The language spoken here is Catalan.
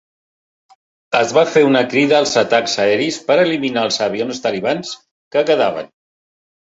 Es va fer una crida als atacs aeris per eliminar els avions talibans que quedaven.